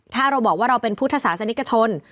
ถ้าเราบอกว่าเราเป็นพุทธศาสนิกชน